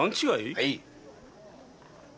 はい。